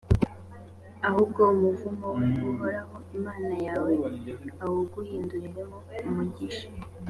ahubwo umuvumo we uhoraho imana yawe awuguhinduriramo umugisha,